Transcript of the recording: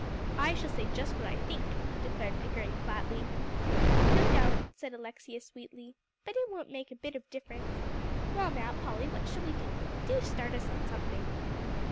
"I shall say just what I think," declared Pickering flatly. "No doubt," said Alexia sweetly, "but it won't make a bit of difference. Well, now, Polly, what shall we do? Do start us on something."